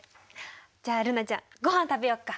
じゃあ瑠菜ちゃんごはん食べよっか。